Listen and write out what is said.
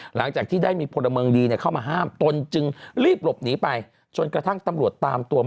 หลังจากที่ได้มีพลเมิงดีเนี่ยเข้ามาห้ามตน